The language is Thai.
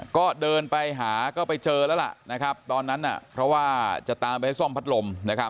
ก็เดินไปหาก็ไปเจอแล้วล่ะนะครับตอนนั้นเพราะว่าจะตามไปให้ซ่อมพัดลม